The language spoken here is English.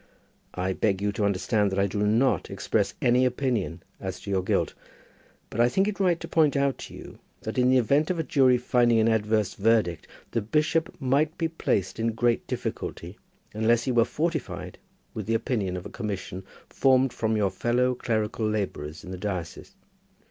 I beg you to understand that I do not express any opinion as to your guilt. But I think it right to point out to you that in the event of a jury finding an adverse verdict, the bishop might be placed in great difficulty unless he were fortified with the opinion of a commission formed from your fellow clerical labourers in the diocese.